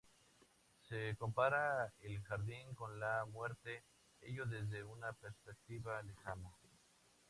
Se compara el jardín con la muerte, ello desde una perspectiva lejana.